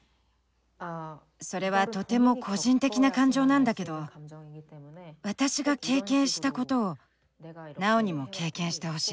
それはとても個人的な感情なんだけど私が経験したことをナオにも経験してほしい。